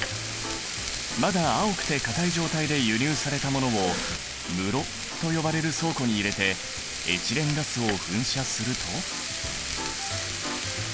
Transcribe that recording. まだ青くてかたい状態で輸入されたものを室と呼ばれる倉庫に入れてエチレンガスを噴射すると。